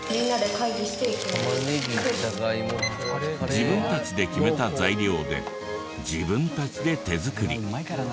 自分たちで決めた材料で自分たちで手作り。